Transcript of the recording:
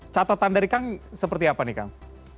catatan dari kang seperti apa nih kang